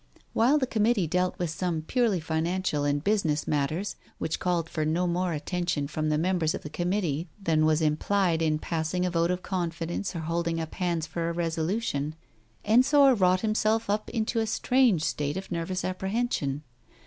While the Committee dealt with some purely financial and business matters, which called for no more atten tion from the members of the Committee than was implied in passing a vote of confidence or holding up hands for a resolution, Ensor wrought himself up into a strange state of nervous apprehension.